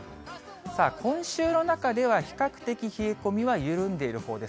今週の中では比較的冷え込みは緩んでいるほうです。